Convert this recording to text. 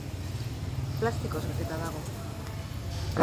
Plastikoz beteta dago.